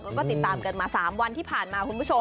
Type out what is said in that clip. แล้วก็ติดตามกันมา๓วันที่ผ่านมาคุณผู้ชม